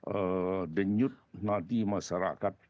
eee denyut nadi masyarakat